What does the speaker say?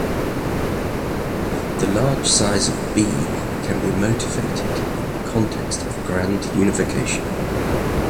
The large size of "B" can be motivated in the context of grand unification.